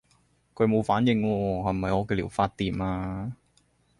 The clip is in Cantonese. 佢冇反應喎，係咪我嘅療法掂啊？